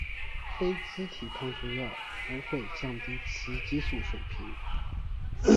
非甾体抗雄药不会降低雌激素水平。